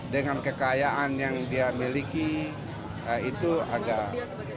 dengan kekayaan yang dia miliki itu agak